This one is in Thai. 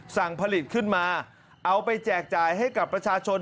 สั่งผลิตขึ้นมาเอาไปแจกจ่ายให้กับประชาชน